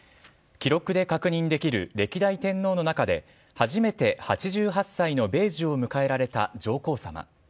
記録で確認できる歴代天皇の中で初めて８８歳の米寿を迎えられた上皇さま。